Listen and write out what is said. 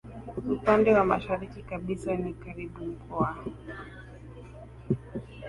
upande wa mashariki kabisa ni karibu Mkoa